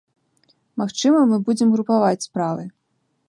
Магчыма, мы будзем групаваць справы.